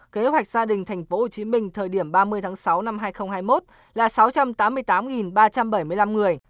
kế hoạch gia đình thành phố hồ chí minh thời điểm ba mươi tháng sáu năm hai nghìn hai mươi một là sáu trăm tám mươi tám ba trăm bảy mươi năm người